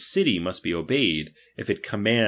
city must be obeyed, if itrfmoved.